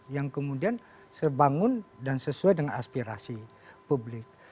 yang kemudian sebangun dan sesuai dengan aspirasi publik